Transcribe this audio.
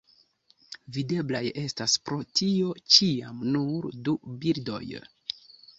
Videblaj estas pro tio ĉiam nur du bildoj.